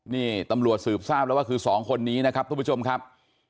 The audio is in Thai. นี่ตำรวจสืบทราบแล้วว่าคือสองคนนี้นะครับทุกผู้ชมครับ